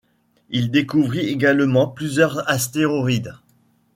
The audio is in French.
Il découvrit également plusieurs astéroïdes.